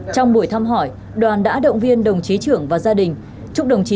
trong buổi thăm hỏi đoàn đã động viên đồng chí trưởng và gia đình